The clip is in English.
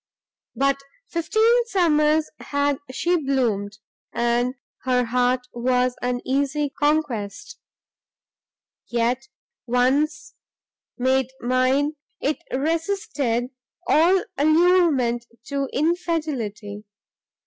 But fifteen summers had she bloomed, and her heart was an easy conquest; yet, once made mine, it resisted all allurement to infidelity.